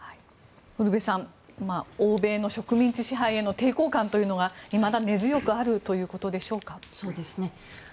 ウルヴェさん欧米の植民地支配への抵抗感というのがいまだに根強くあるということでしょうかね。